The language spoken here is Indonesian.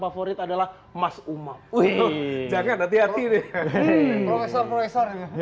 favorit adalah mas umar wih jangan hati hati nih profesor profesornya profesi profesi